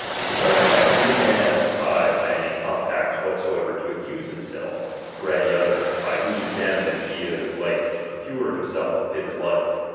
Likewise no man is tied by any compacts whatsoever to accuse himself, or any other, by whose damage he is like to procure himself a bit ter life.